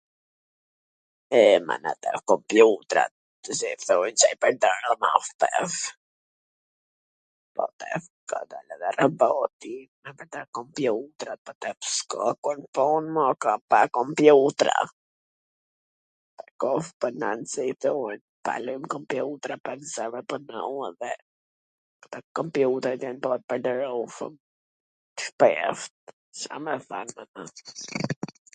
E mana, kto kompjutrat, C e thojn q i bwjn tana ma shpejt. po tesh ka dal edhe roboti, edhe kta komjutrat,s ka kun pun mor, pa kompjutra, ... kta kompjutrat jan bot pwrdoru shum, t shpesht, Ca me ba, mana